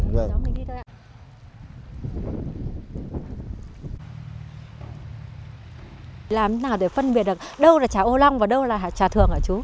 làm thế nào để phân biệt được đâu là trà ô long và đâu là trà thường hả chú